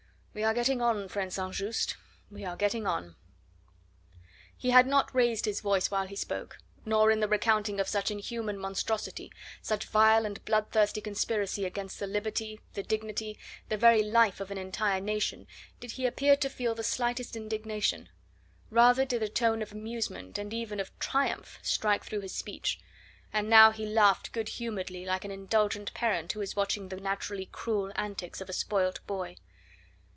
We are getting on, friend St. Just we are getting on." He had not raised his voice while he spoke, nor in the recounting of such inhuman monstrosity, such vile and bloodthirsty conspiracy against the liberty, the dignity, the very life of an entire nation, did he appear to feel the slightest indignation; rather did a tone of amusement and even of triumph strike through his speech; and now he laughed good humouredly like an indulgent parent who is watching the naturally cruel antics of a spoilt boy.